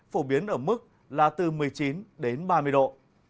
phổ biến ở mức là từ một mươi chín đến ba mươi độ